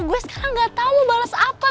gue sekarang gak tau mau bales apa